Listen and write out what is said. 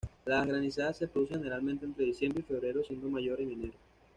Las granizadas se producen generalmente entre diciembre y febrero siendo mayor en enero.